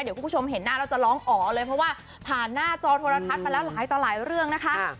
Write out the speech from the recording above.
เดี๋ยวคุณผู้ชมเห็นหน้าแล้วจะร้องอ๋อเลยเพราะว่าผ่านหน้าจอโทรทัศน์มาแล้วหลายต่อหลายเรื่องนะคะ